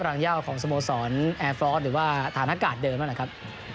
รังยาวของสโมสรแอร์ฟอร์สหรือว่าธนากาศเดิมนะครับ